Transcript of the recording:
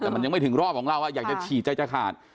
แต่มันยังไม่ถึงรอบของเราอยากจะฉีดใจจะขาด